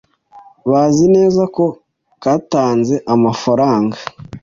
bazi neza ko katanze amafaranga